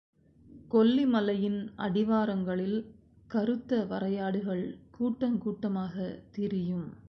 கொல்லி மலையின் அடிவாரங்களில் கருத்த வரையாடுகள் கூட்டங்கூட்டமாகத் திரியும்.